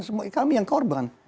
semua kami yang korban